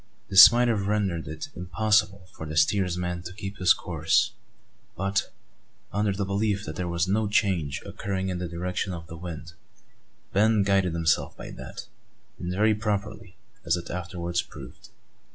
This might have rendered it impossible for the steersman to keep his course; but, under the belief that there was no change occurring in the direction of the wind, Ben guided himself by that, and very properly, as it afterwards proved.